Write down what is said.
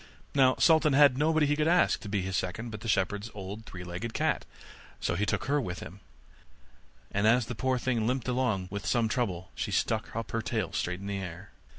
Now Sultan had nobody he could ask to be his second but the shepherd's old three legged cat; so he took her with him, and as the poor thing limped along with some trouble, she stuck up her tail straight in the air.